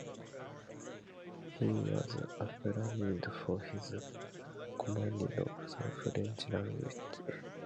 He was acclaimed for his command of the French language.